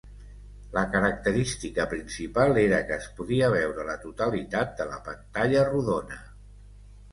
La característica principal era que es podia veure la totalitat de la pantalla rodona.